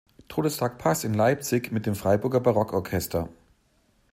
Todestag Bachs in Leipzig, mit dem Freiburger Barockorchester.